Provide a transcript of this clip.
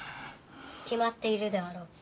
決まっているであろう。